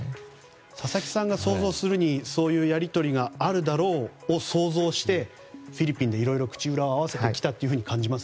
佐々木さんが想像するにそういうやり取りがあるだろうを想像してフィリピンで、いろいろ口裏を合わせてきたと感じます？